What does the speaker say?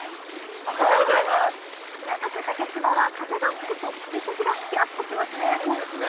港区竹芝は風が吹くと首筋がヒヤッとしますね。